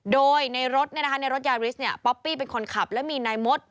โดยในรถยาริสต์เนี่ยป๊อปปี้เป็นคนขับแล้วมีนายมด